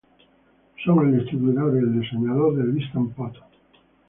Son el distribuidor y diseñador del Instant Pot.